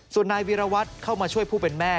ส่วนนายวีรวัตรเข้ามาช่วยผู้เป็นแม่